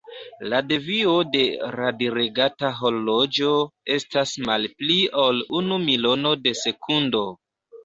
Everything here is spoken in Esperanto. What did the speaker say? La devio de radiregata horloĝo estas malpli ol unu milono de sekundo.